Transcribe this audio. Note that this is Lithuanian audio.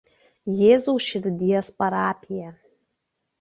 Jėzaus Širdies parapija.